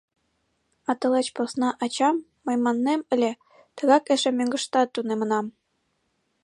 А тылеч посна ачам... мый маннем ыле: тыгак эше мӧҥгыштат тунемынам.